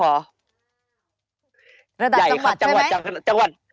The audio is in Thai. ระดับจังหวัดใช่ไหมใหญ่ครับจังหวัดจังหวัด